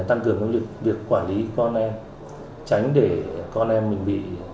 tăng cường việc quản lý con em tránh để con em mình bị